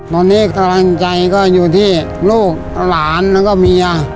ตอนนี้กำลังใจก็อยู่ที่ลูกหลานแล้วก็เมีย